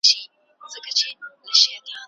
ورېځ او لوګي یو له بل سره غاړه غړۍ شوي وو.